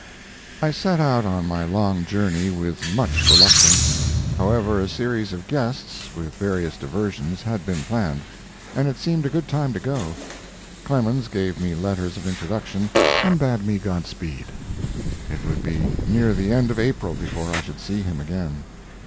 I set out on my long journey with much reluctance. However, a series of guests with various diversions had been planned, and it seemed a good time to go. Clemens gave me letters of introduction, and bade me Godspeed. It would be near the end of April before I should see him again.